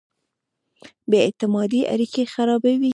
بې اعتمادۍ اړیکې خرابوي.